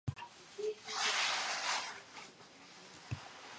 Voice actor Mel Blanc plays Mac and Stan Freberg plays Tosh.